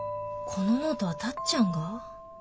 このノートはタッちゃんが？